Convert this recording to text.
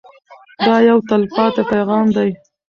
دا یو تلپاتې پیغام دی.